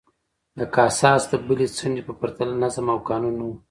د کاساس د بلې څنډې په پرتله نظم او قانون نه و